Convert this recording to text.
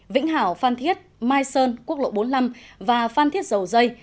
vĩnh hảo phan thiết mai sơn quốc lộ bốn mươi năm và phan thiết dầu dây